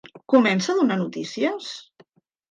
Comença a donar notícies?